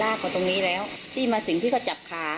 แล้วก็ช่วยกันนำนายธีรวรรษส่งโรงพยาบาล